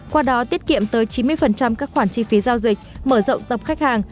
qua đó tiết kiệm tới chín mươi các khoản chi phí giao dịch mở rộng tập khách hàng